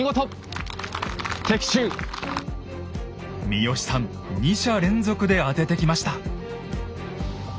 三好さん２射連続で当ててきました。